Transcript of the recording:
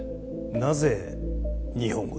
なぜ日本語で？